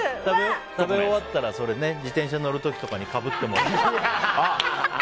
食べ終わったら自転車乗る時とかにかぶってもらって。